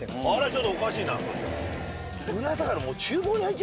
ちょっとおかしいなそしたら。